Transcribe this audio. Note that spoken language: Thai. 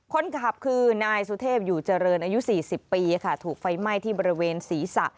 คนขับคือนายสุเทพอยู่เจริญอายุ๔๐ปีค่ะถูกไฟไหม้ที่บริเวณศีรษะ